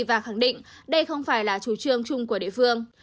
và khẳng định đây không phải là chủ trương chung của địa phương